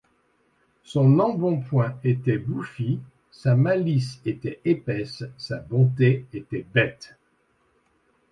Son embonpoint était bouffi, sa malice était épaisse, sa bonté était bête.